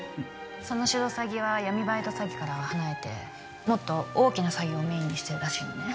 そのシロサギは闇バイト詐欺からは離れてもっと大きな詐欺をメインにしてるらしいのね